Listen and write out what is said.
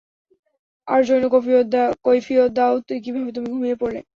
আর জিন, কৈফিয়ত দাও কিভাবে তুমি ঘুমিয়ে পড়লে।